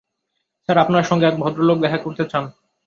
Sir, আপনার সঙ্গে এক ভদ্রলোক দেখা করতে চান।